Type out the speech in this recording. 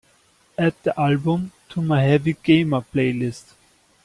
Add the album to my Heavy Gamer playlist.